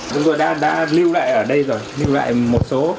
chúng tôi đã lưu lại ở đây rồi nhưng lại một số